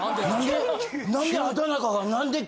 何で？